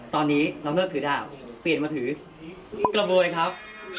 ตอนนี้เราเลิกถือดาวเปลี่ยนมาถือกระบวยครับ